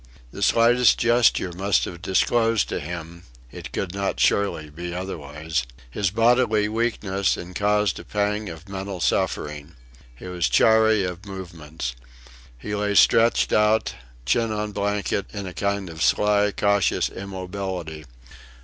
The slightest gesture must have disclosed to him (it could not surely be otherwise) his bodily weakness, and caused a pang of mental suffering. He was chary of movements. He lay stretched out, chin on blanket, in a kind of sly, cautious immobility.